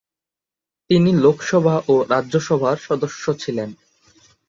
তিনি লোকসভা ও রাজ্যসভার সদস্য ছিলেন।